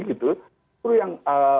gitu itu yang